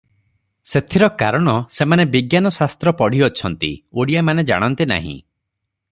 ସେଥିର କାରଣ, ସେମାନେ ବିଜ୍ଞାନ ଶାସ୍ତ୍ର ପଢ଼ିଅଛନ୍ତି; ଓଡ଼ିଆ ମାନେ ଜାଣନ୍ତି ନାହିଁ ।